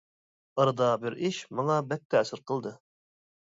ئارىدا بىر ئىش ماڭا بەك تەسىر قىلدى.